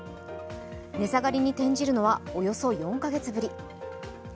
値下がりに転じるのはおよそ４か月ぶり。